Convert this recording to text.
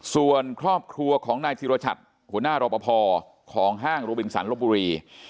ส่วนครอบครัวของนายธิรชัดหัวหน้ารอปภของห้างโรบินสันลบบุรี